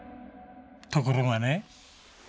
ところがね